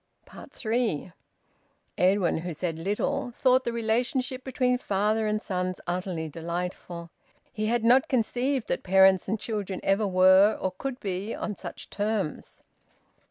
THREE. Edwin, who said little, thought the relationship between father and sons utterly delightful. He had not conceived that parents and children ever were or could be on such terms.